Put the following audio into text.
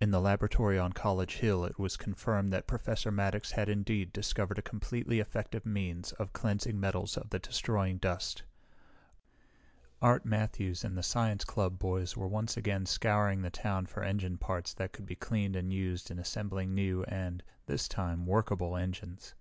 In the laboratory on College Hill it was confirmed that Professor Maddox had indeed discovered a completely effective means of cleansing metals of the destroying dust. Art Matthews and the science club boys were once again scouring the town for engine parts that could be cleaned and used in assembling new and, this time, workable engines.